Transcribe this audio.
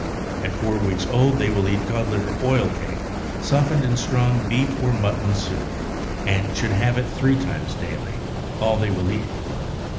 At four weeks old they will eat codliver oil cake, softened in strong beef or mutton soup, and should have it three times daily — all they will eat.